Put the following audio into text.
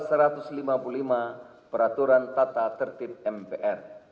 pasal satu ratus lima puluh lima peraturan tata tertib mpr